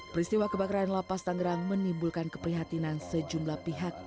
peristiwa kebakaran lapas tangerang menimbulkan keprihatinan sejumlah pihak